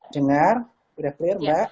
dengar udah clear mbak